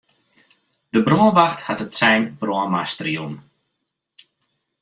De brânwacht hat it sein brân master jûn.